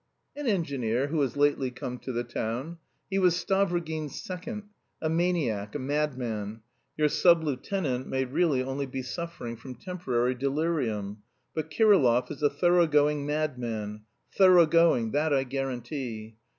"An engineer who has lately come to the town. He was Stavrogin's second, a maniac, a madman; your sub lieutenant may really only be suffering from temporary delirium, but Kirillov is a thoroughgoing madman thoroughgoing, that I guarantee.